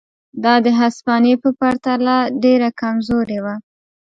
دا د هسپانیې په پرتله ډېره کمزورې وه.